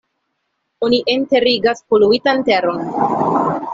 Oni enterigas poluitan teron.